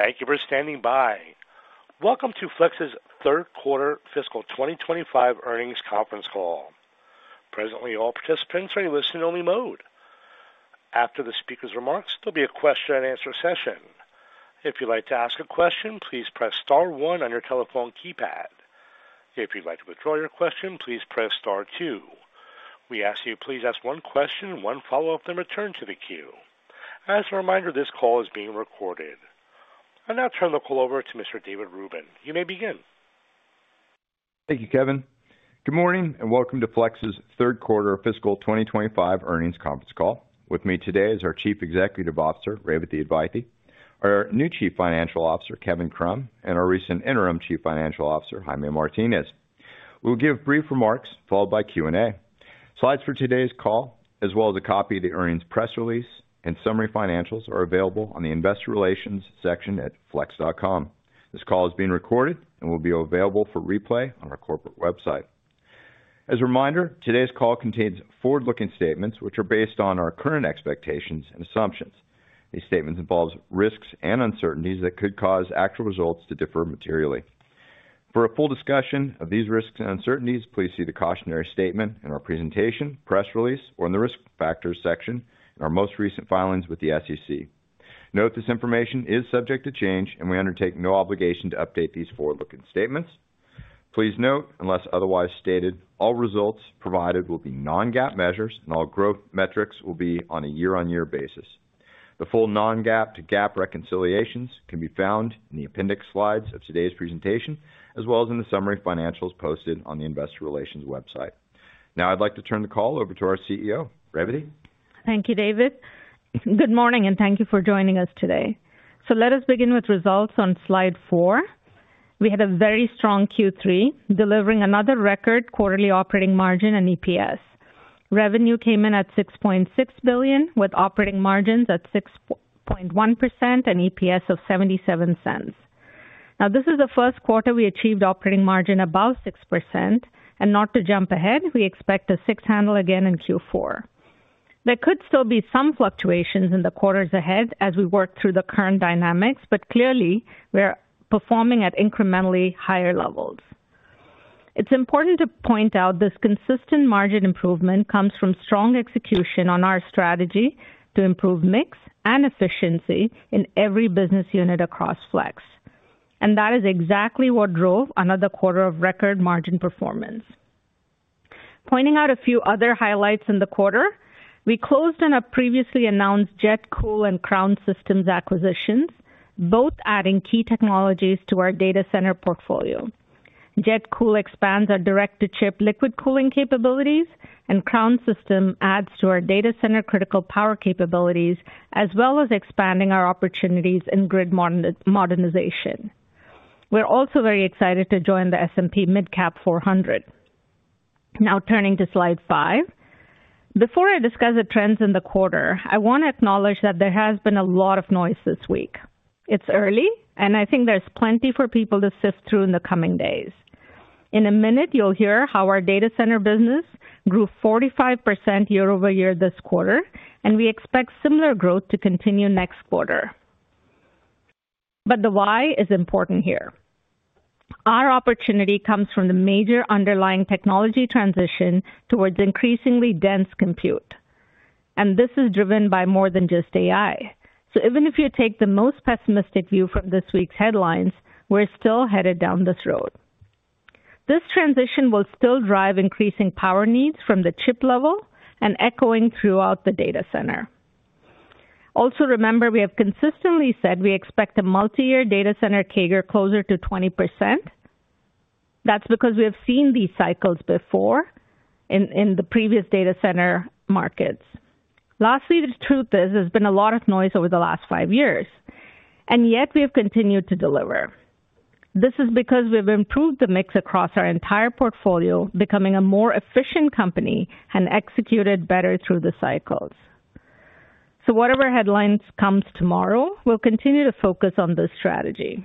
Thank you for standing by. Welcome to Flex's third quarter fiscal 2025 earnings conference call. Presently, all participants are in listen-only mode. After the speaker's remarks, there'll be a question-and-answer session. If you'd like to ask a question, please press star one on your telephone keypad. If you'd like to withdraw your question, please press star two. We ask that you please ask one question, one follow-up, then return to the queue. As a reminder, this call is being recorded. I'll now turn the call over to Mr. David Rubin. You may begin. Thank you, Kevin. Good morning and welcome to Flex's third quarter fiscal 2025 earnings conference call. With me today is our Chief Executive Officer, Revathi Advaithi, our new Chief Financial Officer, Kevin Krumm, and our recent interim Chief Financial Officer, Jaime Martinez. We'll give brief remarks followed by Q&A. Slides for today's call, as well as a copy of the earnings press release and summary financials, are available on the Investor Relations section at flex.com. This call is being recorded and will be available for replay on our corporate website. As a reminder, today's call contains forward-looking statements which are based on our current expectations and assumptions. These statements involve risks and uncertainties that could cause actual results to differ materially. For a full discussion of these risks and uncertainties, please see the cautionary statement in our presentation, press release, or in the risk factors section in our most recent filings with the SEC. Note this information is subject to change and we undertake no obligation to update these forward-looking statements. Please note, unless otherwise stated, all results provided will be non-GAAP measures and all growth metrics will be on a year-on-year basis. The full non-GAAP to GAAP reconciliations can be found in the appendix slides of today's presentation, as well as in the summary financials posted on the Investor Relations website. Now, I'd like to turn the call over to our CEO, Revathi. Thank you, David. Good morning and thank you for joining us today. So let us begin with results on slide four. We had a very strong Q3, delivering another record quarterly operating margin and EPS. Revenue came in at $6.6 billion, with operating margins at 6.1% and EPS of $0.77. Now, this is the first quarter we achieved operating margin above 6%, and not to jump ahead, we expect a six handle again in Q4. There could still be some fluctuations in the quarters ahead as we work through the current dynamics, but clearly we're performing at incrementally higher levels. It's important to point out this consistent margin improvement comes from strong execution on our strategy to improve mix and efficiency in every business unit across Flex, and that is exactly what drove another quarter of record margin performance. Pointing out a few other highlights in the quarter, we closed the previously announced JetCool and Crown Systems acquisitions, both adding key technologies to our data center portfolio. JetCool expands our direct-to-chip liquid cooling capabilities, and Crown Systems adds to our data center critical power capabilities, as well as expanding our opportunities in grid modernization. We're also very excited to join the S&P MidCap 400. Now, turning to slide five. Before I discuss the trends in the quarter, I want to acknowledge that there has been a lot of noise this week. It's early, and I think there's plenty for people to sift through in the coming days. In a minute, you'll hear how our data center business grew 45% year-over-year this quarter, and we expect similar growth to continue next quarter. But the why is important here. Our opportunity comes from the major underlying technology transition towards increasingly dense compute, and this is driven by more than just AI. So even if you take the most pessimistic view from this week's headlines, we're still headed down this road. This transition will still drive increasing power needs from the chip level and echoing throughout the data center. Also, remember, we have consistently said we expect a multi-year data center CAGR closer to 20%. That's because we have seen these cycles before in the previous data center markets. Lastly, the truth is there's been a lot of noise over the last five years, and yet we have continued to deliver. This is because we have improved the mix across our entire portfolio, becoming a more efficient company and executed better through the cycles. So whatever headlines come tomorrow, we'll continue to focus on this strategy.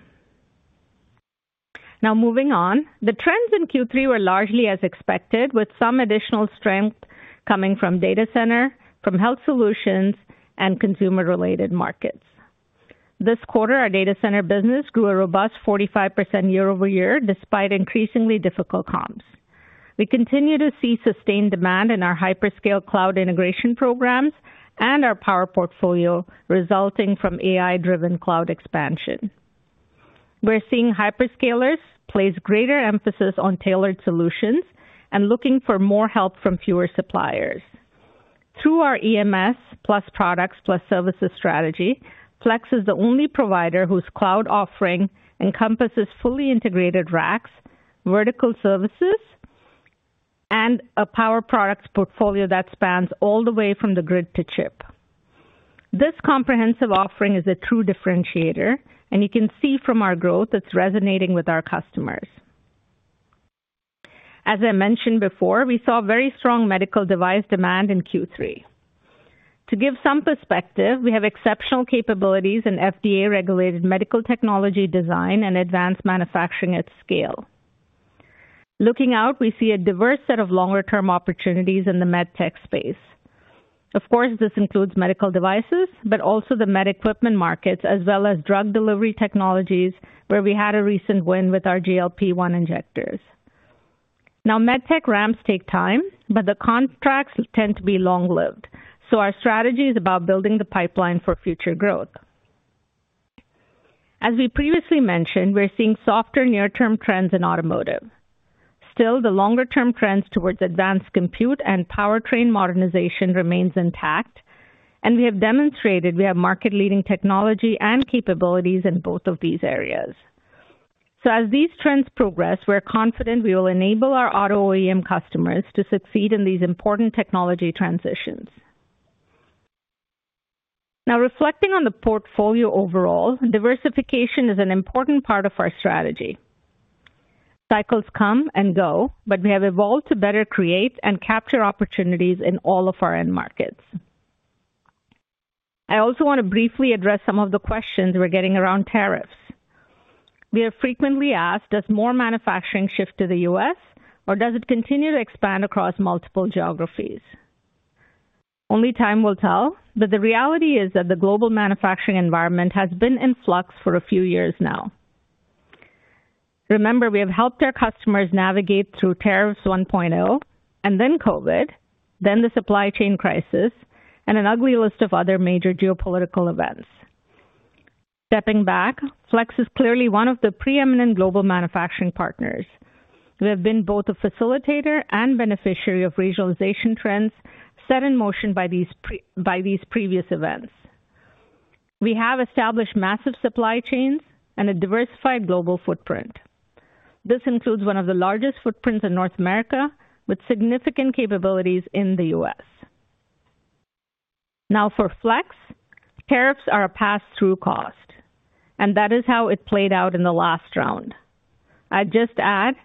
Now, moving on, the trends in Q3 were largely as expected, with some additional strength coming from data center, from health solutions, and consumer-related markets. This quarter, our data center business grew a robust 45% year-over-year despite increasingly difficult comps. We continue to see sustained demand in our hyperscale cloud integration programs and our power portfolio resulting from AI-driven cloud expansion. We're seeing hyperscalers place greater emphasis on tailored solutions and looking for more help from fewer suppliers. Through our EMS plus products plus services strategy, Flex is the only provider whose cloud offering encompasses fully integrated racks, vertical services, and a power products portfolio that spans all the way from the grid to chip. This comprehensive offering is a true differentiator, and you can see from our growth it's resonating with our customers. As I mentioned before, we saw very strong medical device demand in Q3. To give some perspective, we have exceptional capabilities in FDA-regulated medical technology design and advanced manufacturing at scale. Looking out, we see a diverse set of longer-term opportunities in the med tech space. Of course, this includes medical devices, but also the med equipment markets, as well as drug delivery technologies, where we had a recent win with our GLP-1 injectors. Now, med tech ramps take time, but the contracts tend to be long-lived, so our strategy is about building the pipeline for future growth. As we previously mentioned, we're seeing softer near-term trends in automotive. Still, the longer-term trends towards advanced compute and powertrain modernization remain intact, and we have demonstrated we have market-leading technology and capabilities in both of these areas. So as these trends progress, we're confident we will enable our auto OEM customers to succeed in these important technology transitions. Now, reflecting on the portfolio overall, diversification is an important part of our strategy. Cycles come and go, but we have evolved to better create and capture opportunities in all of our end markets. I also want to briefly address some of the questions we're getting around tariffs. We are frequently asked, does more manufacturing shift to the U.S., or does it continue to expand across multiple geographies? Only time will tell, but the reality is that the global manufacturing environment has been in flux for a few years now. Remember, we have helped our customers navigate through tariffs 1.0, and then COVID, then the supply chain crisis, and an ugly list of other major geopolitical events. Stepping back, Flex is clearly one of the preeminent global manufacturing partners. We have been both a facilitator and beneficiary of regionalization trends set in motion by these previous events. We have established massive supply chains and a diversified global footprint. This includes one of the largest footprints in North America, with significant capabilities in the U.S. Now, for Flex, tariffs are a pass-through cost, and that is how it played out in the last round. I'd just add,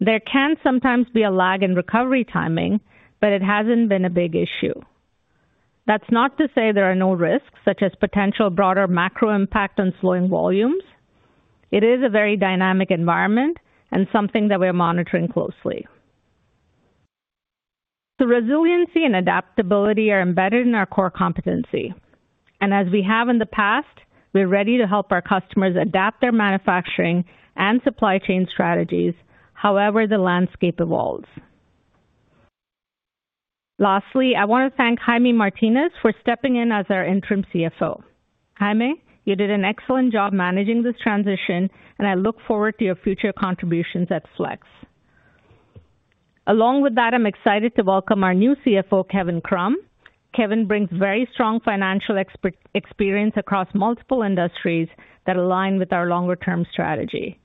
there can sometimes be a lag in recovery timing, but it hasn't been a big issue. That's not to say there are no risks, such as potential broader macro impact on slowing volumes. It is a very dynamic environment and something that we're monitoring closely. The resiliency and adaptability are embedded in our core competency, and as we have in the past, we're ready to help our customers adapt their manufacturing and supply chain strategies however the landscape evolves. Lastly, I want to thank Jaime Martinez for stepping in as our interim CFO. Jaime, you did an excellent job managing this transition, and I look forward to your future contributions at Flex. Along with that, I'm excited to welcome our new CFO, Kevin Krumm. Kevin brings very strong financial experience across multiple industries that align with our longer-term strategy.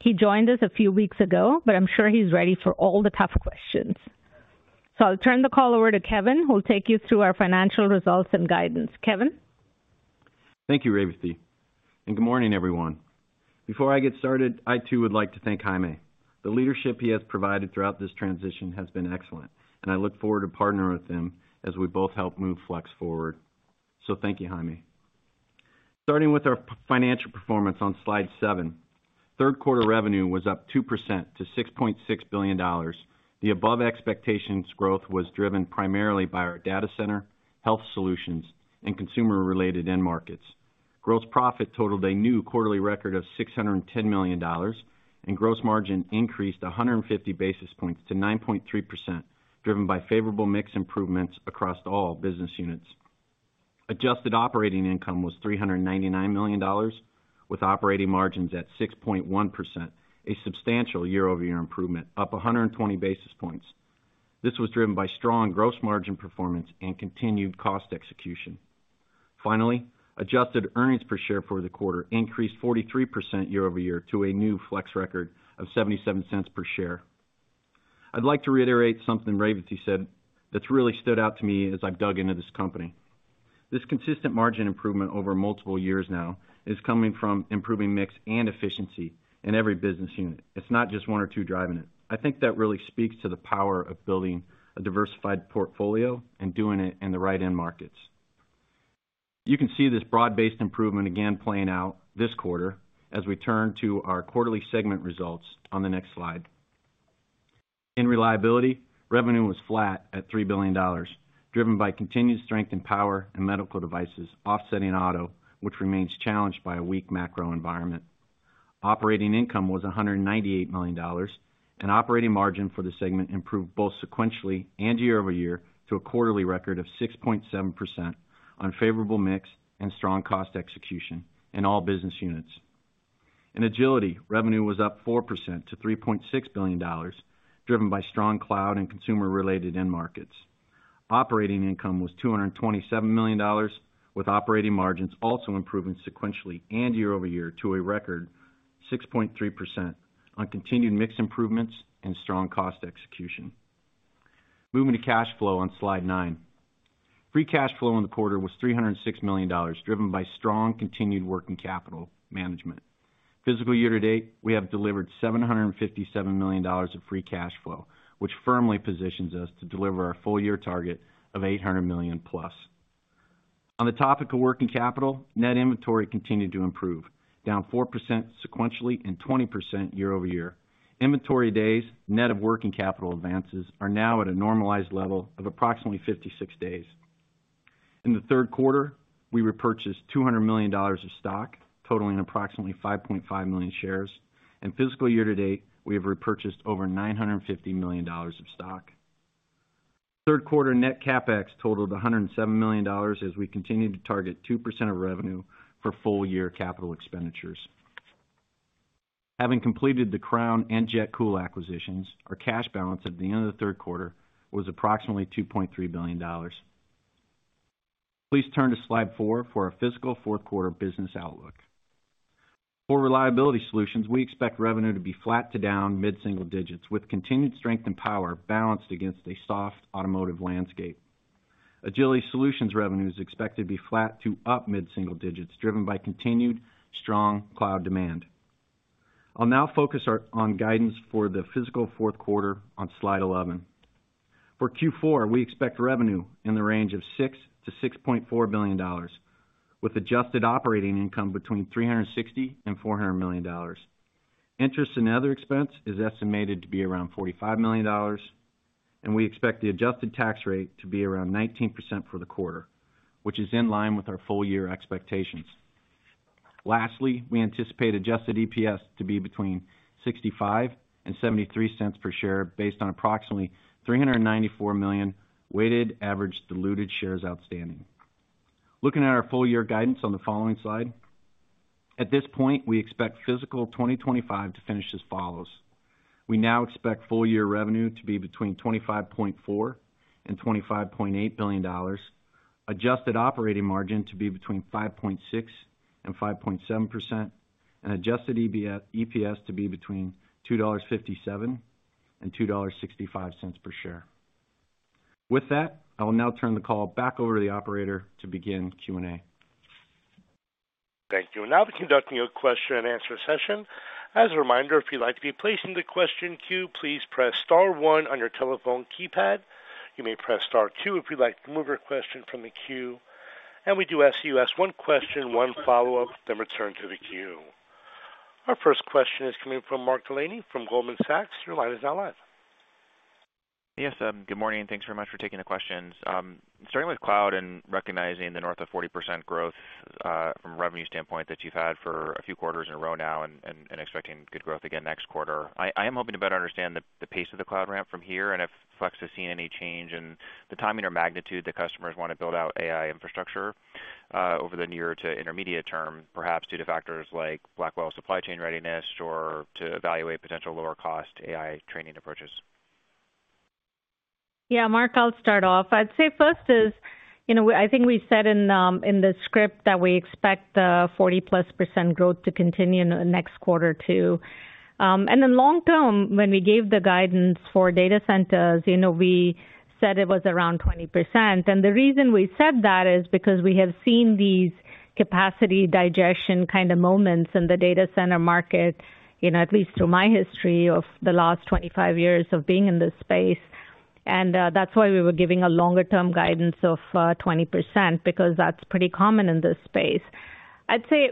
He joined us a few weeks ago, but I'm sure he's ready for all the tough questions. So I'll turn the call over to Kevin, who'll take you through our financial results and guidance. Kevin. Thank you, Revathi, and good morning, everyone. Before I get started, I too would like to thank Jaime. The leadership he has provided throughout this transition has been excellent, and I look forward to partnering with him as we both help move Flex forward. So thank you, Jaime. Starting with our financial performance on slide seven, third quarter revenue was up 2% to $6.6 billion. The above expectations growth was driven primarily by our data center, health solutions, and consumer-related end markets. Gross profit totaled a new quarterly record of $610 million, and gross margin increased 150 basis points to 9.3%, driven by favorable mix improvements across all business units. Adjusted operating income was $399 million, with operating margins at 6.1%, a substantial year-over-year improvement, up 120 basis points. This was driven by strong gross margin performance and continued cost execution. Finally, adjusted earnings per share for the quarter increased 43% year-over-year to a new Flex record of $0.77 per share. I'd like to reiterate something Revathi said that really stood out to me as I've dug into this company. This consistent margin improvement over multiple years now is coming from improving mix and efficiency in every business unit. It's not just one or two driving it. I think that really speaks to the power of building a diversified portfolio and doing it in the right end markets. You can see this broad-based improvement again playing out this quarter as we turn to our quarterly segment results on the next slide. In Reliability, revenue was flat at $3 billion, driven by continued strength in power and medical devices, offsetting auto, which remains challenged by a weak macro environment. Operating income was $198 million, and operating margin for the segment improved both sequentially and year-over-year to a quarterly record of 6.7% on favorable mix and strong cost execution in all business units. In Agility, revenue was up 4% to $3.6 billion, driven by strong cloud and consumer-related end markets. Operating income was $227 million, with operating margins also improving sequentially and year-over-year to a record 6.3% on continued mix improvements and strong cost execution. Moving to cash flow on slide nine. Free cash flow in the quarter was $306 million, driven by strong continued working capital management. Fiscal year to date, we have delivered $757 million of free cash flow, which firmly positions us to deliver our full year target of $800 million+. On the topic of working capital, net inventory continued to improve, down 4% sequentially and 20% year-over-year. Inventory days, net of working capital advances, are now at a normalized level of approximately 56 days. In the third quarter, we repurchased $200 million of stock, totaling approximately 5.5 million shares, and fiscal year to date, we have repurchased over $950 million of stock. Third quarter net CapEx totaled $107 million as we continue to target 2% of revenue for full year capital expenditures. Having completed the Crown and JetCool acquisitions, our cash balance at the end of the third quarter was approximately $2.3 billion. Please turn to slide four for our fiscal fourth quarter business outlook. For Reliability Solutions, we expect revenue to be flat to down mid-single digits, with continued strength in power balanced against a soft automotive landscape. Agility Solutions revenue is expected to be flat to up mid-single digits, driven by continued strong cloud demand. I'll now focus on guidance for the fiscal fourth quarter on slide 11. For Q4, we expect revenue in the range of $6-$6.4 billion, with adjusted operating income between $360-$400 million. Interest and other expense is estimated to be around $45 million, and we expect the adjusted tax rate to be around 19% for the quarter, which is in line with our full year expectations. Lastly, we anticipate adjusted EPS to be between $0.65-$0.73 per share based on approximately 394 million weighted average diluted shares outstanding. Looking at our full year guidance on the following slide, at this point, we expect fiscal 2025 to finish as follows. We now expect full year revenue to be between $25.4-$25.8 billion, adjusted operating margin to be between 5.6%-5.7%, and adjusted EPS to be between $2.57-$2.65 per share. With that, I will now turn the call back over to the operator to begin Q&A. Thank you. Now, we're conducting a question and answer session. As a reminder, if you'd like to be placed in the question queue, please press star one on your telephone keypad. You may press star two if you'd like to move your question from the queue, and we do ask you to ask one question, one follow-up, then return to the queue. Our first question is coming from Mark Delaney from Goldman Sachs. Your line is now live. Yes, good morning, and thanks very much for taking the questions. Starting with cloud and recognizing the north of 40% growth from a revenue standpoint that you've had for a few quarters in a row now and expecting good growth again next quarter. I am hoping to better understand the pace of the cloud ramp from here and if Flex has seen any change in the timing or magnitude that customers want to build out AI infrastructure over the near to intermediate term, perhaps due to factors like Blackwell supply chain readiness or to evaluate potential lower-cost AI training approaches. Yeah, Mark, I'll start off. I'd say first is, I think we said in the script that we expect the 40%+ growth to continue in the next quarter too. And then long-term, when we gave the guidance for data centers, we said it was around 20%. And the reason we said that is because we have seen these capacity digestion kind of moments in the data center market, at least through my history of the last 25 years of being in this space. And that's why we were giving a longer-term guidance of 20%, because that's pretty common in this space. I'd say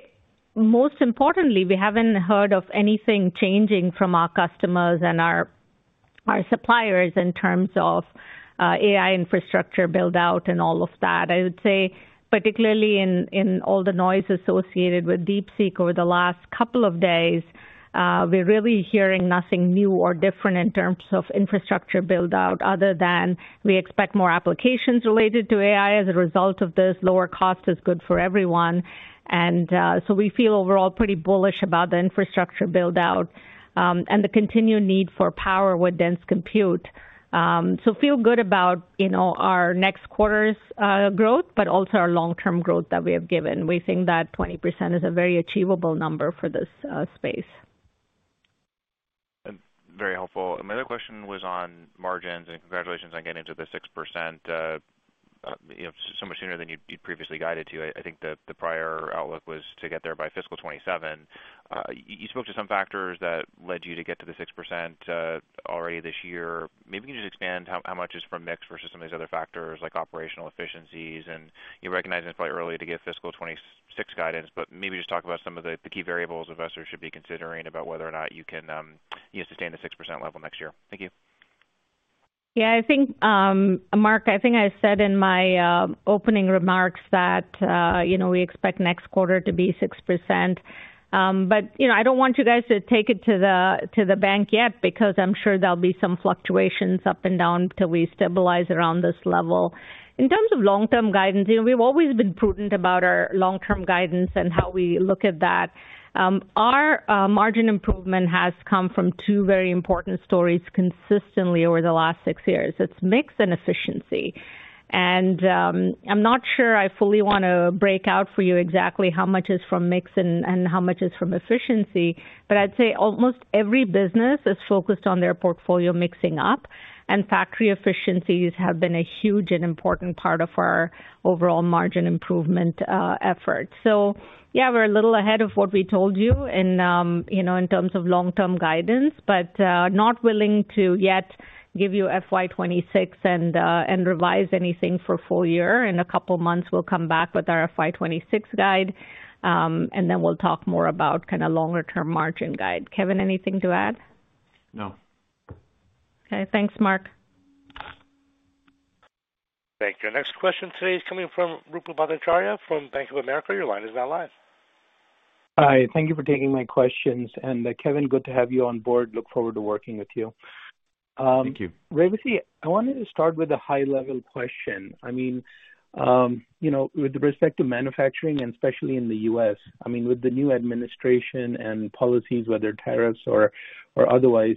most importantly, we haven't heard of anything changing from our customers and our suppliers in terms of AI infrastructure build-out and all of that. I would say, particularly in all the noise associated with DeepSeek over the last couple of days, we're really hearing nothing new or different in terms of infrastructure build-out other than we expect more applications related to AI as a result of this. Lower cost is good for everyone, and so we feel overall pretty bullish about the infrastructure build-out and the continued need for power with dense compute, so feel good about our next quarter's growth, but also our long-term growth that we have given. We think that 20% is a very achievable number for this space. That's very helpful. My other question was on margins, and congratulations on getting to the 6% so much sooner than you'd previously guided to. I think the prior outlook was to get there by fiscal 2027. You spoke to some factors that led you to get to the 6% already this year. Maybe you can just expand how much is from mix versus some of these other factors, like operational efficiencies, and recognizing it's probably early to give fiscal 2026 guidance, but maybe just talk about some of the key variables investors should be considering about whether or not you can sustain the 6% level next year. Thank you. Yeah, I think, Mark, I think I said in my opening remarks that we expect next quarter to be 6%. But I don't want you guys to take it to the bank yet, because I'm sure there'll be some fluctuations up and down till we stabilize around this level. In terms of long-term guidance, we've always been prudent about our long-term guidance and how we look at that. Our margin improvement has come from two very important stories consistently over the last six years. It's mix and efficiency. And I'm not sure I fully want to break out for you exactly how much is from mix and how much is from efficiency, but I'd say almost every business is focused on their portfolio mixing up, and factory efficiencies have been a huge and important part of our overall margin improvement effort. So yeah, we're a little ahead of what we told you in terms of long-term guidance, but not willing to yet give you FY26 and revise anything for full year. In a couple of months, we'll come back with our FY26 guide, and then we'll talk more about kind of longer-term margin guide. Kevin, anything to add? No. Okay, thanks, Mark. Thank you. Our next question today is coming from Ruplu Bhattacharya from Bank of America. Your line is now live. Hi, thank you for taking my questions, and Kevin, good to have you on board. Look forward to working with you. Thank you. Revathi, I wanted to start with a high-level question. I mean, with respect to manufacturing, and especially in the U.S., I mean, with the new administration and policies, whether tariffs or otherwise,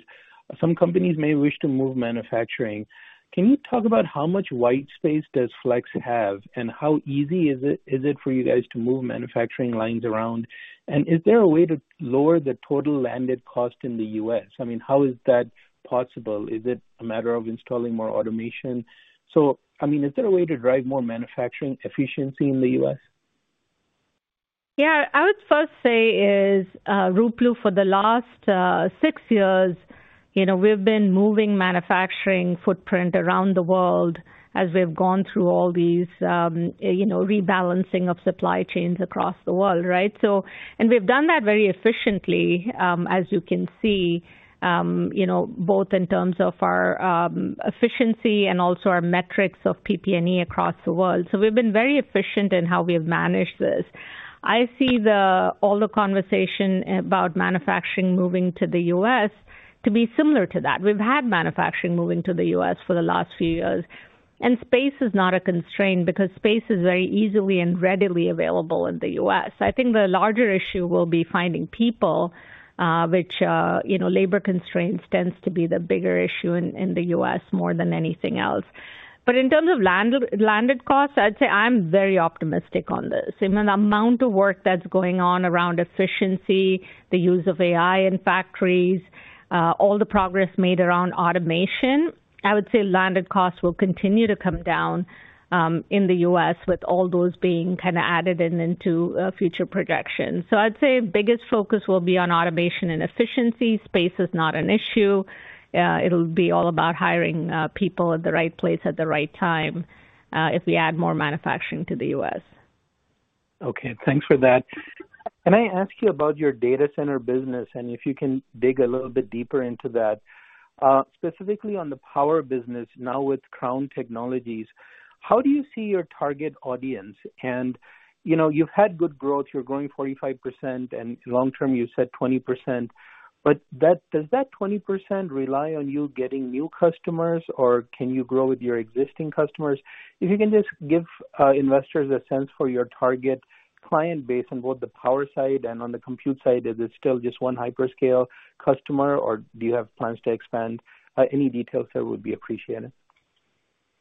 some companies may wish to move manufacturing. Can you talk about how much white space does Flex have, and how easy is it for you guys to move manufacturing lines around? And is there a way to lower the total landed cost in the U.S.? I mean, how is that possible? Is it a matter of installing more automation? So I mean, is there a way to drive more manufacturing efficiency in the U.S.? Yeah, I would first say, Ruplu, for the last six years, we've been moving manufacturing footprint around the world as we've gone through all these rebalancing of supply chains across the world, right? And we've done that very efficiently, as you can see, both in terms of our efficiency and also our metrics of PP&E across the world. So we've been very efficient in how we have managed this. I see all the conversation about manufacturing moving to the U.S. to be similar to that. We've had manufacturing moving to the U.S. for the last few years. And space is not a constraint because space is very easily and readily available in the U.S. I think the larger issue will be finding people, which labor constraints tends to be the bigger issue in the U.S. more than anything else. But in terms of landed costs, I'd say I'm very optimistic on this. In the amount of work that's going on around efficiency, the use of AI in factories, all the progress made around automation, I would say landed costs will continue to come down in the U.S. with all those being kind of added into future projections. So I'd say biggest focus will be on automation and efficiency. Space is not an issue. It'll be all about hiring people at the right place at the right time if we add more manufacturing to the U.S. Okay, thanks for that. Can I ask you about your data center business and if you can dig a little bit deeper into that? Specifically on the power business, now with Crown Technologies, how do you see your target audience? And you've had good growth. You're growing 45%, and long-term you said 20%. But does that 20% rely on you getting new customers, or can you grow with your existing customers? If you can just give investors a sense for your target client base on both the power side and on the compute side, is it still just one hyperscaler customer, or do you have plans to expand? Any details there would be appreciated.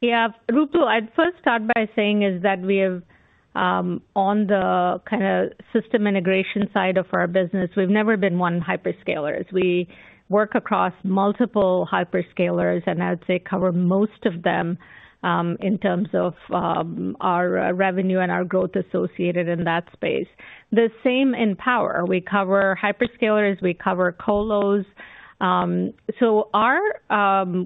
Yeah, Ruplu, I'd first start by saying is that we have on the kind of system integration side of our business, we've never been one hyperscaler. We work across multiple hyperscalers, and I'd say cover most of them in terms of our revenue and our growth associated in that space. The same in power. We cover hyperscalers. We cover colos. So our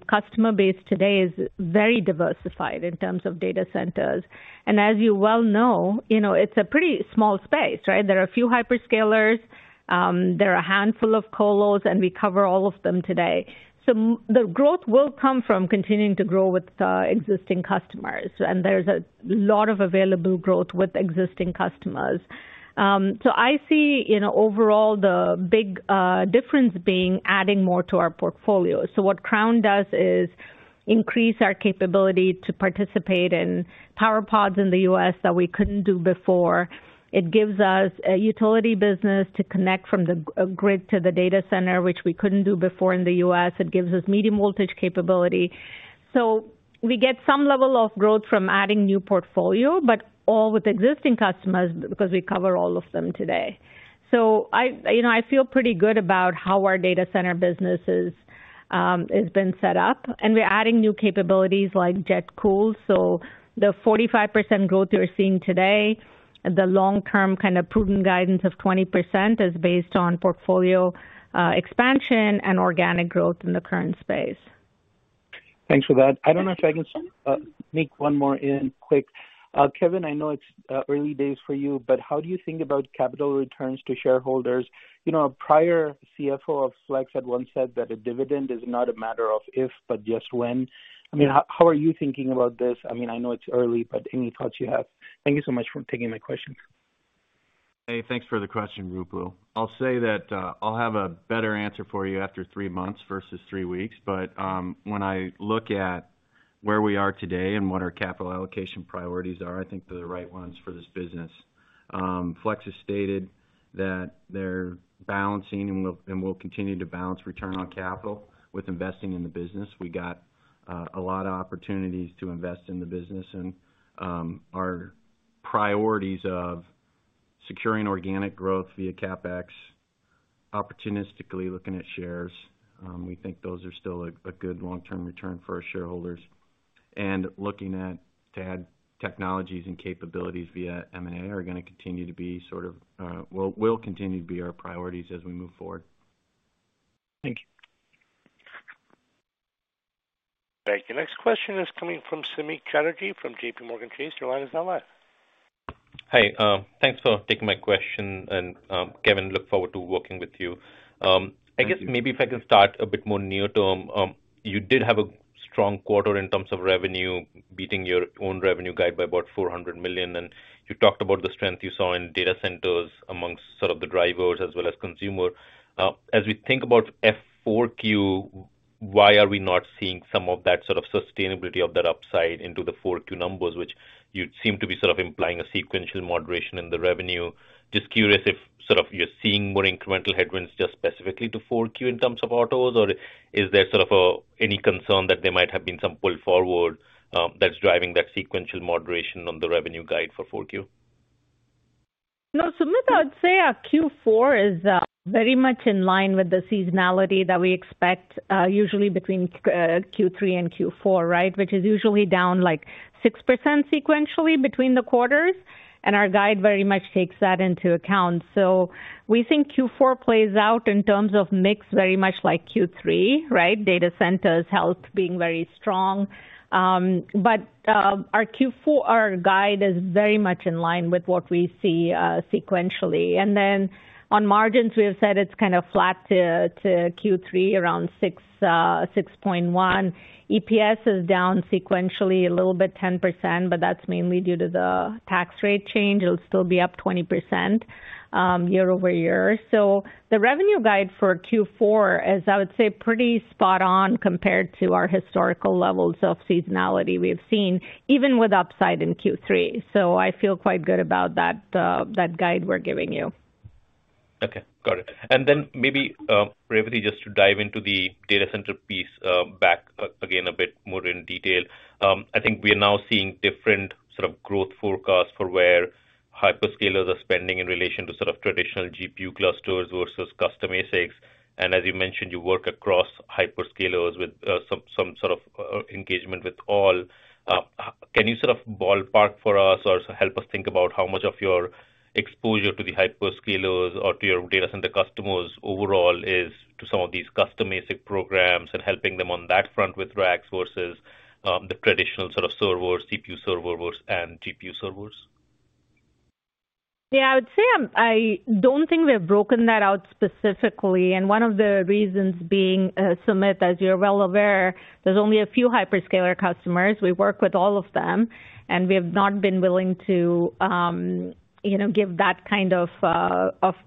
customer base today is very diversified in terms of data centers. And as you well know, it's a pretty small space, right? There are a few hyperscalers. There are a handful of colos, and we cover all of them today. So the growth will come from continuing to grow with existing customers. And there's a lot of available growth with existing customers. So I see overall the big difference being adding more to our portfolio. So what Crown does is increase our capability to participate in power pods in the U.S. that we couldn't do before. It gives us a utility business to connect from the grid to the data center, which we couldn't do before in the U.S. It gives us medium voltage capability. So we get some level of growth from adding new portfolio, but all with existing customers because we cover all of them today. So I feel pretty good about how our data center business has been set up. And we're adding new capabilities like JetCool. So the 45% growth you're seeing today, the long-term kind of prudent guidance of 20% is based on portfolio expansion and organic growth in the current space. Thanks for that. I don't know if I can sneak one more in quick. Kevin, I know it's early days for you, but how do you think about capital returns to shareholders? A prior CFO of Flex had once said that a dividend is not a matter of if, but just when. I mean, how are you thinking about this? I mean, I know it's early, but any thoughts you have? Thank you so much for taking my questions. Hey, thanks for the question, Ruplu. I'll say that I'll have a better answer for you after three months versus three weeks, but when I look at where we are today and what our capital allocation priorities are, I think they're the right ones for this business. Flex has stated that they're balancing and will continue to balance return on capital with investing in the business. We got a lot of opportunities to invest in the business, and our priorities of securing organic growth via CapEx, opportunistically looking at shares, we think those are still a good long-term return for our shareholders, and looking at technologies and capabilities via M&A are going to continue to be sort of will continue to be our priorities as we move forward. Thank you. Thank you. Next question is coming from Samik Chatterjee from JPMorgan Chase. Your line is now live. Hi, thanks for taking my question, and Kevin, look forward to working with you. I guess maybe if I can start a bit more near term, you did have a strong quarter in terms of revenue, beating your own revenue guide by about $400 million. And you talked about the strength you saw in data centers among sort of the drivers as well as consumer. As we think about FY4Q, why are we not seeing some of that sort of sustainability of that upside into the 4Q numbers, which you'd seem to be sort of implying a sequential moderation in the revenue? Just curious if sort of you're seeing more incremental headwinds just specifically to 4Q in terms of autos, or is there sort of any concern that there might have been some pull forward that's driving that sequential moderation on the revenue guide for 4Q? No, Samik, I'd say Q4 is very much in line with the seasonality that we expect usually between Q3 and Q4, right? Which is usually down like 6% sequentially between the quarters. And our guide very much takes that into account. So we think Q4 plays out in terms of mix very much like Q3, right? Data centers, health being very strong. But our Q4 guide is very much in line with what we see sequentially. And then on margins, we have said it's kind of flat to Q3, around 6.1. EPS is down sequentially a little bit, 10%, but that's mainly due to the tax rate change. It'll still be up 20% year-over-year. So the revenue guide for Q4 is, I would say, pretty spot on compared to our historical levels of seasonality we've seen, even with upside in Q3. So I feel quite good about that guide we're giving you. Okay, got it. And then maybe, Revathi, just to dive into the data center piece back again a bit more in detail, I think we are now seeing different sort of growth forecasts for where hyperscalers are spending in relation to sort of traditional GPU clusters versus custom ASICs. And as you mentioned, you work across hyperscalers with some sort of engagement with all. Can you sort of ballpark for us or help us think about how much of your exposure to the hyperscalers or to your data center customers overall is to some of these custom ASIC programs and helping them on that front with racks versus the traditional sort of servers, CPU servers, and GPU servers? Yeah, I would say I don't think we have broken that out specifically. And one of the reasons being, Samik, as you're well aware, there's only a few hyperscaler customers. We work with all of them. And we have not been willing to give that kind of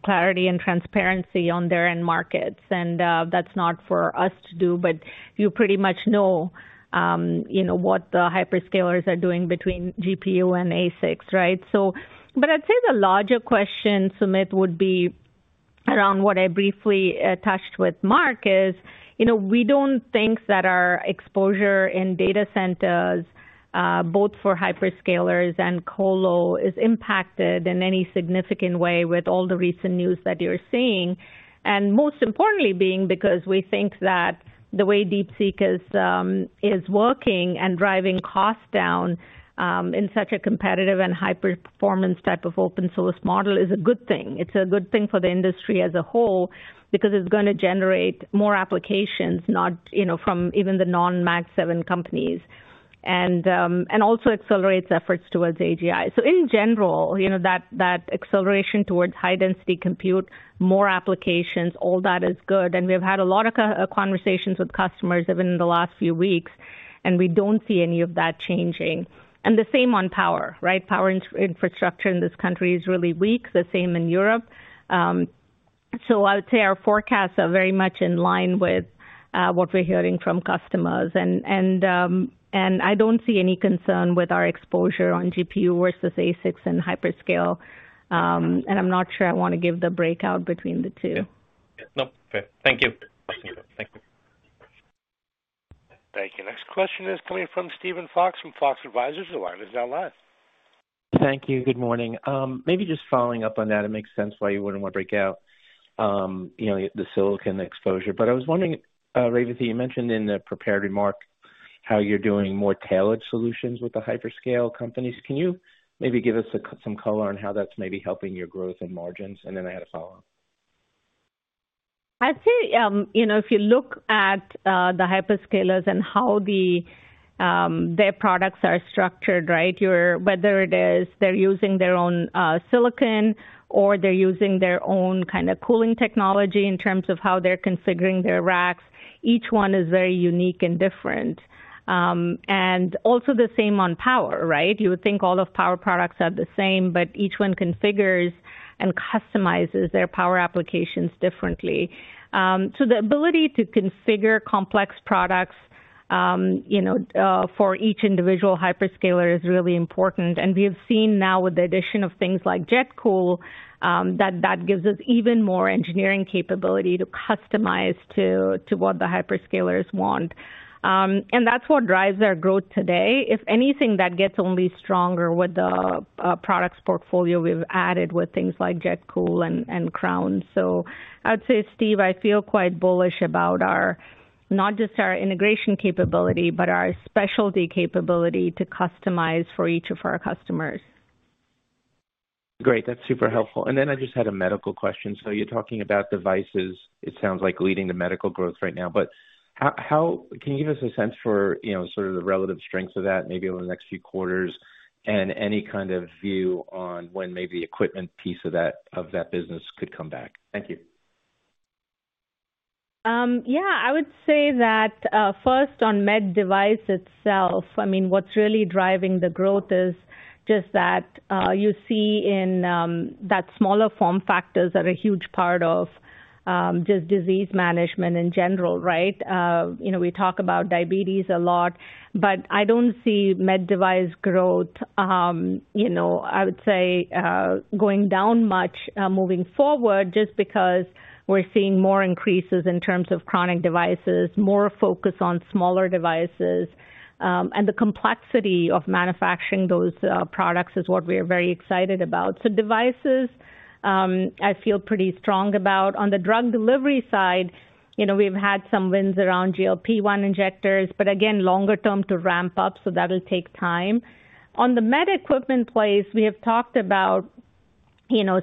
clarity and transparency on their end markets. And that's not for us to do, but you pretty much know what the hyperscalers are doing between GPU and ASICs, right? But I'd say the larger question, Samik, would be around what I briefly touched with Mark is we don't think that our exposure in data centers, both for hyperscalers and colo, is impacted in any significant way with all the recent news that you're seeing. And most importantly, because we think that the way DeepSeek is working and driving costs down in such a competitive and high-performance type of open-source model is a good thing. It's a good thing for the industry as a whole because it's going to generate more applications from even the non-Mag 7 companies and also accelerates efforts towards AGI. So in general, that acceleration towards high-density compute, more applications, all that is good. And we've had a lot of conversations with customers even in the last few weeks, and we don't see any of that changing. And the same on power, right? Power infrastructure in this country is really weak. The same in Europe. So I would say our forecasts are very much in line with what we're hearing from customers. And I don't see any concern with our exposure on GPU versus ASICs and hyperscale. I'm not sure I want to give the breakout between the two. No, okay. Thank you. Thank you. Thank you. Next question is coming from Steven Fox from Fox Advisors. Your line is now live. Thank you. Good morning. Maybe just following up on that, it makes sense why you wouldn't want to break out the silicon exposure. But I was wondering, Revathi, you mentioned in the prepared remark how you're doing more tailored solutions with the hyperscale companies. Can you maybe give us some color on how that's maybe helping your growth and margins? And then I had a follow-up. I'd say if you look at the hyperscalers and how their products are structured, right, whether it is they're using their own silicon or they're using their own kind of cooling technology in terms of how they're configuring their racks, each one is very unique and different. And also the same on power, right? You would think all of power products are the same, but each one configures and customizes their power applications differently. So the ability to configure complex products for each individual hyperscaler is really important. And we have seen now with the addition of things like JetCool that that gives us even more engineering capability to customize to what the hyperscalers want. And that's what drives our growth today, if anything, that gets only stronger with the products portfolio we've added with things like JetCool and Crown. So I would say, Steve, I feel quite bullish about not just our integration capability, but our specialty capability to customize for each of our customers. Great. That's super helpful. And then I just had a medical question. So you're talking about devices, it sounds like, leading to medical growth right now. But can you give us a sense for sort of the relative strength of that maybe over the next few quarters and any kind of view on when maybe the equipment piece of that business could come back? Thank you. Yeah, I would say that first on med device itself, I mean, what's really driving the growth is just that you see in that smaller form factors are a huge part of just disease management in general, right? We talk about diabetes a lot, but I don't see med device growth, I would say, going down much moving forward just because we're seeing more increases in terms of chronic devices, more focus on smaller devices, and the complexity of manufacturing those products is what we are very excited about, so devices I feel pretty strong about. On the drug delivery side, we've had some wins around GLP-1 injectors, but again, longer term to ramp up, so that'll take time. On the med equipment space, we have talked about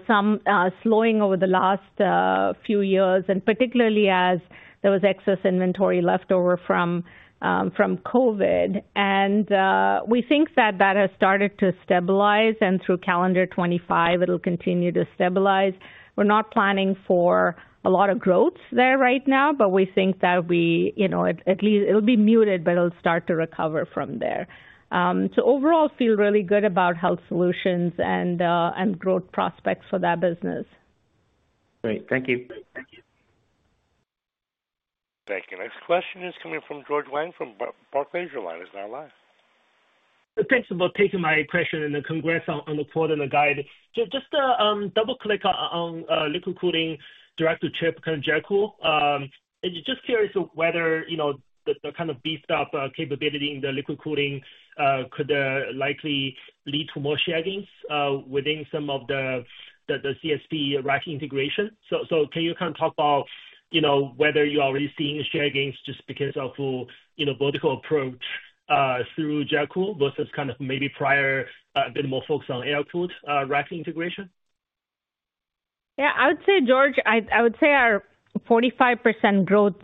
some slowing over the last few years, and particularly as there was excess inventory leftover from COVID. We think that that has started to stabilize. Through calendar 2025, it'll continue to stabilize. We're not planning for a lot of growth there right now, but we think that at least it'll be muted, but it'll start to recover from there. Overall, feel really good about health solutions and growth prospects for that business. Great. Thank you. Thank you. Next question is coming from George Wang from Barclays. He's now live. Thanks for taking my question. Congrats on the quarter and the guide. Just to double-click on direct-to-chip liquid cooling, kind of JetCool. Just curious whether the kind of beefed-up capability in the liquid cooling could likely lead to more share gains within some of the CSP rack integration. So can you kind of talk about whether you're already seeing share gains just because of vertical approach through JetCool versus kind of maybe prior a bit more focus on air-cooled rack integration? Yeah, I would say, George, I would say our 45% growth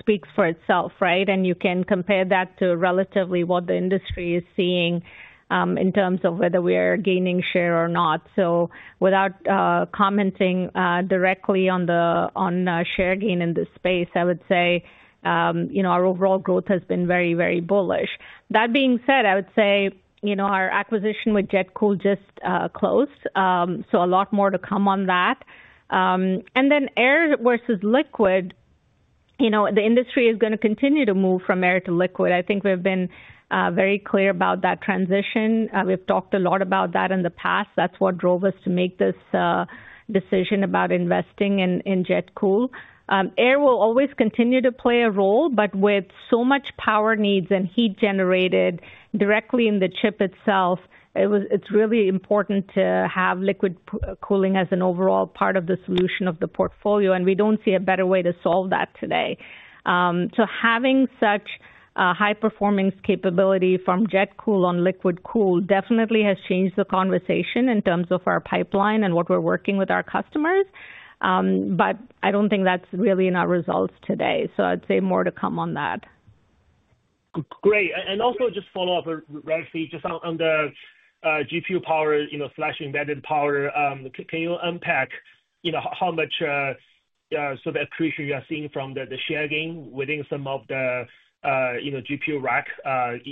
speaks for itself, right? And you can compare that to relatively what the industry is seeing in terms of whether we are gaining share or not. So without commenting directly on the share gain in this space, I would say our overall growth has been very, very bullish. That being said, I would say our acquisition with JetCool just closed. So a lot more to come on that. And then air versus liquid, the industry is going to continue to move from air to liquid. I think we've been very clear about that transition. We've talked a lot about that in the past. That's what drove us to make this decision about investing in JetCool. Air will always continue to play a role, but with so much power needs and heat generated directly in the chip itself, it's really important to have liquid cooling as an overall part of the solution of the portfolio, and we don't see a better way to solve that today, so having such high-performing capability from JetCool on liquid cooling definitely has changed the conversation in terms of our pipeline and what we're working with our customers, but I don't think that's really in our results today, so I'd say more to come on that. Great. And also just follow-up, Revathi, just on the GPU power, Flex embedded power, can you unpack how much sort of accretion you're seeing from the share gain within some of the GPU rack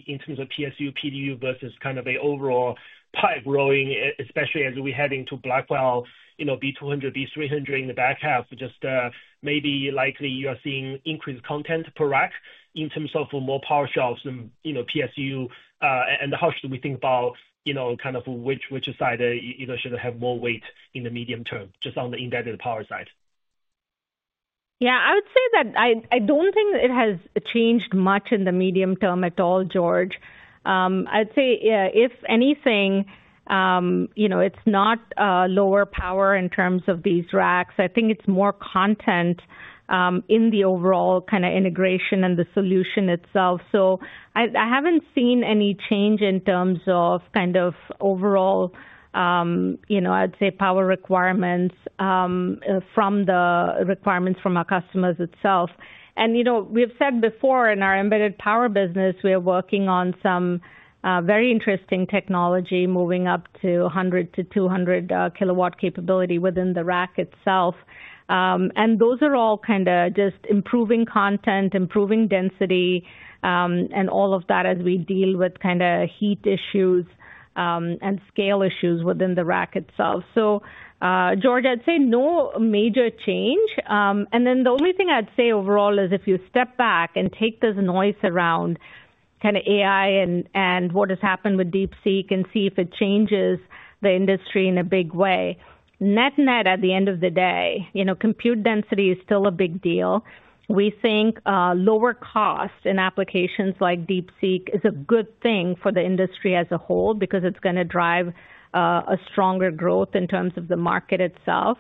in terms of PSU, PDU versus kind of an overall pipelining, especially as we're heading to Blackwell, B200, B300 in the back half, just maybe likely you're seeing increased content per rack in terms of more power sockets and PSU. And how should we think about kind of which side should have more weight in the medium term just on the embedded power side? Yeah, I would say that I don't think it has changed much in the medium term at all, George. I'd say if anything, it's not lower power in terms of these racks. I think it's more content in the overall kind of integration and the solution itself. So I haven't seen any change in terms of kind of overall, I'd say, power requirements from the requirements from our customers itself. And we have said before in our embedded power business, we are working on some very interesting technology moving up to 100 to 200 kilowatt capability within the rack itself. And those are all kind of just improving content, improving density, and all of that as we deal with kind of heat issues and scale issues within the rack itself. So, George, I'd say no major change. And then the only thing I'd say overall is if you step back and take this noise around kind of AI and what has happened with DeepSeek and see if it changes the industry in a big way. Net net, at the end of the day, compute density is still a big deal. We think lower cost in applications like DeepSeek is a good thing for the industry as a whole because it's going to drive a stronger growth in terms of the market itself.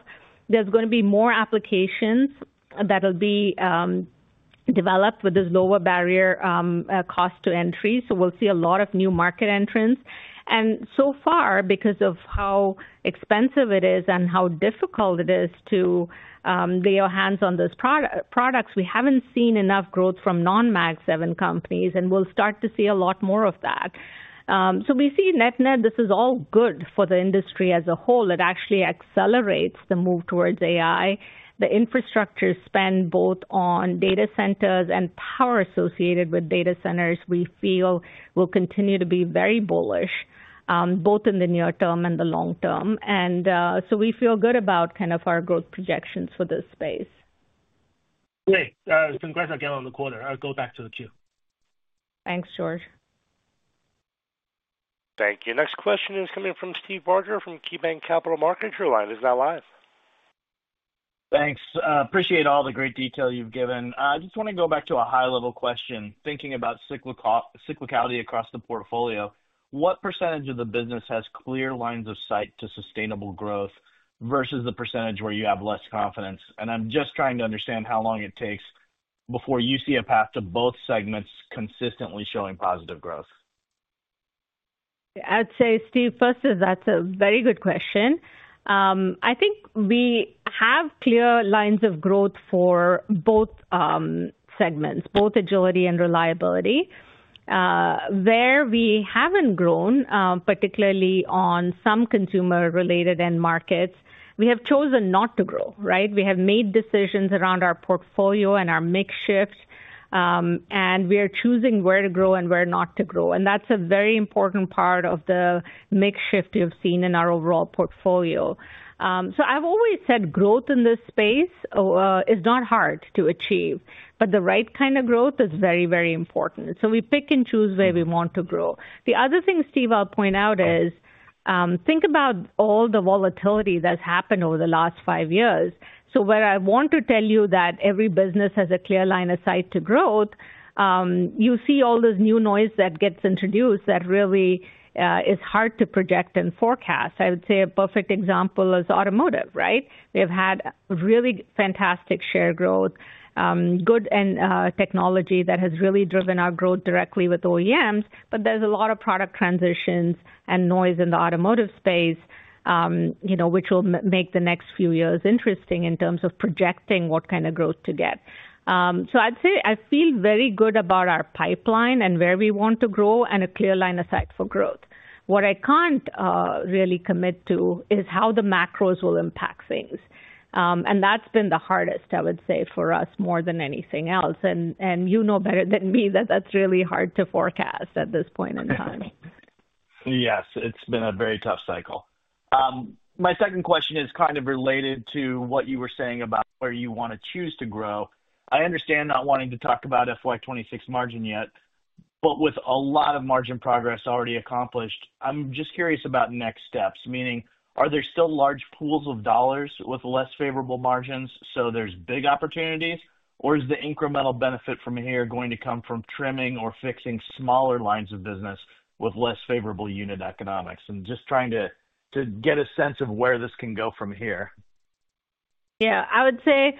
There's going to be more applications that will be developed with this lower barrier cost to entry. So we'll see a lot of new market entrants. And so far, because of how expensive it is and how difficult it is to lay your hands on those products, we haven't seen enough growth from non-Mag 7 companies, and we'll start to see a lot more of that. So we see net net, this is all good for the industry as a whole. It actually accelerates the move towards AI. The infrastructure spend both on data centers and power associated with data centers, we feel, will continue to be very bullish both in the near term and the long term. And so we feel good about kind of our growth projections for this space. Great. Congrats again on the quarter. I'll go back to the queue. Thanks, George. Thank you. Next question is coming from Steve Barger from KeyBanc Capital Markets. Your line is now live. Thanks. Appreciate all the great detail you've given. I just want to go back to a high-level question. Thinking about cyclicality across the portfolio, what percentage of the business has clear lines of sight to sustainable growth versus the percentage where you have less confidence? And I'm just trying to understand how long it takes before you see a path to both segments consistently showing positive growth. I'd say, Steven Fox, that's a very good question. I think we have clear lines of growth for both segments, both Agility and Reliability. Where we haven't grown, particularly on some consumer-related end markets, we have chosen not to grow, right? We have made decisions around our portfolio and our mix shift, and we are choosing where to grow and where not to grow. And that's a very important part of the mix shift you've seen in our overall portfolio. So I've always said growth in this space is not hard to achieve, but the right kind of growth is very, very important. So we pick and choose where we want to grow. The other thing, Steve, I'll point out is think about all the volatility that's happened over the last five years. So where I want to tell you that every business has a clear line of sight to growth, you see all this new noise that gets introduced that really is hard to project and forecast. I would say a perfect example is automotive, right? We have had really fantastic share growth, good technology that has really driven our growth directly with OEMs, but there's a lot of product transitions and noise in the automotive space, which will make the next few years interesting in terms of projecting what kind of growth to get. So I'd say I feel very good about our pipeline and where we want to grow and a clear line of sight for growth. What I can't really commit to is how the macros will impact things. And that's been the hardest, I would say, for us more than anything else. You know better than me that that's really hard to forecast at this point in time. Yes, it's been a very tough cycle. My second question is kind of related to what you were saying about where you want to choose to grow. I understand not wanting to talk about FY26 margin yet, but with a lot of margin progress already accomplished, I'm just curious about next steps, meaning are there still large pools of dollars with less favorable margins? So there's big opportunities, or is the incremental benefit from here going to come from trimming or fixing smaller lines of business with less favorable unit economics? And just trying to get a sense of where this can go from here. Yeah, I would say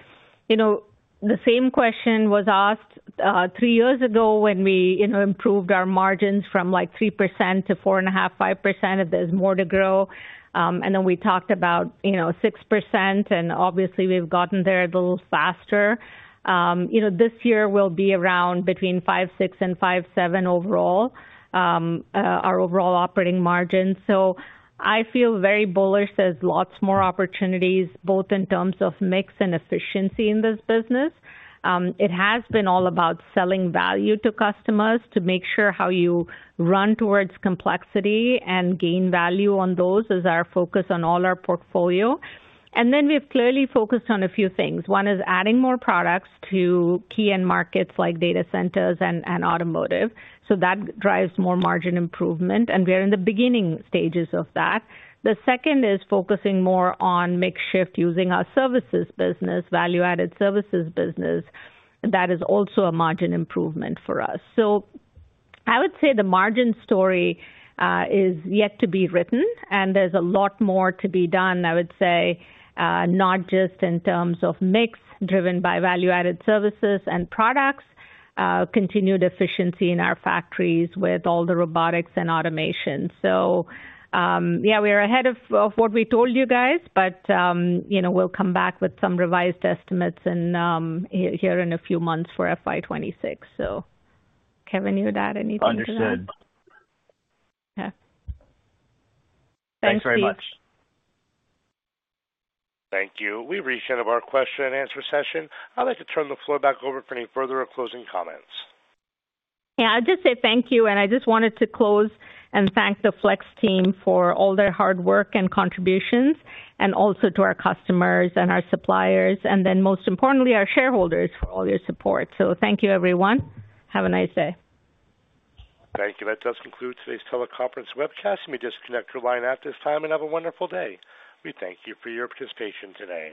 the same question was asked three years ago when we improved our margins from like 3%-4.5%, 5%, if there's more to grow. And then we talked about 6%, and obviously we've gotten there a little faster. This year will be around between 5.6% and 5.7% overall, our overall operating margin. So I feel very bullish. There's lots more opportunities both in terms of mix and efficiency in this business. It has been all about selling value to customers to make sure how you run towards complexity and gain value on those is our focus on all our portfolio. And then we've clearly focused on a few things. One is adding more products to key end markets like data centers and automotive. So that drives more margin improvement, and we are in the beginning stages of that. The second is focusing more on mix shift using our services business, value-added services business. That is also a margin improvement for us. So I would say the margin story is yet to be written, and there's a lot more to be done, I would say, not just in terms of mix driven by value-added services and products, continued efficiency in our factories with all the robotics and automation. So yeah, we are ahead of what we told you guys, but we'll come back with some revised estimates here in a few months for FY26. So Kevin, you had anything to add? Understood. Yeah. Thanks very much. Thank you. We've reached the end of our question and answer session. I'd like to turn the floor back over for any further closing comments. Yeah, I'll just say thank you, and I just wanted to close and thank the Flex team for all their hard work and contributions, and also to our customers and our suppliers, and then most importantly, our shareholders for all your support. So thank you, everyone. Have a nice day. Thank you. That does conclude today's teleconference webcast. Let me just disconnect your line at this tie and have a wonderful day. We thank you for your participation today.